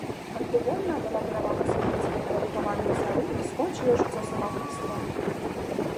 Антыгона аддала перавагу смерці падпарадкаванню цару і скончыла жыццё самагубствам.